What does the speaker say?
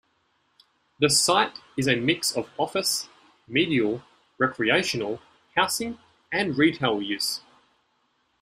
The site is a mix of office, medial, recreational, housing and retail use.